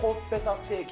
ステーキ？